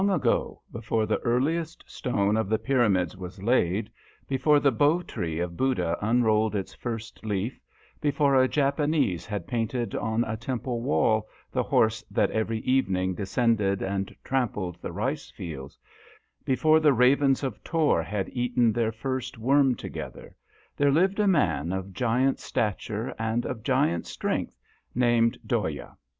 I. ago, before the earliest stone of the pyramids was laid, be fore the Bo tree of Buddha unrolled its first leaf, before a Japanese had painted on a temple wall the horse that every evening descended and trampled the rice fields, before the ravens of Thor had eaten their first worm to gether, there lived a man of giant stature and of giant strength named Dhoya.